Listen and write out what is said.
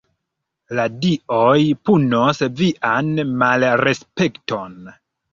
"La dioj punos vian malrespekton."